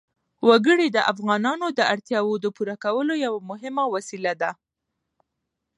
وګړي د افغانانو د اړتیاوو د پوره کولو یوه مهمه وسیله ده.